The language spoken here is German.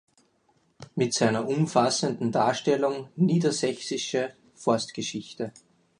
Mit seiner umfassenden Darstellung "Niedersächsische Forstgeschichte.